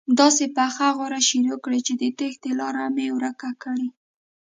داسې پخه غوره شروع کړي چې د تېښتې لاره مې ورکه کړي.